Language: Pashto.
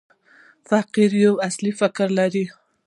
فقره یو اصلي فکر لري.